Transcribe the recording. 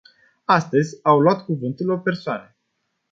Astăzi au luat cuvântul opt persoane.